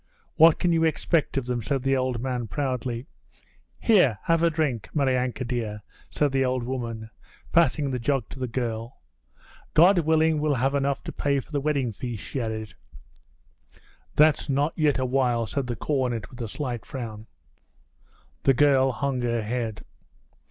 'What can you expect of them?' said the old man proudly. 'Here, have a drink, Maryanka dear!' said the old woman, passing the jug to the girl. 'God willing we'll have enough to pay for the wedding feast,' she added. 'That's not yet awhile,' said the cornet with a slight frown. The girl hung her head.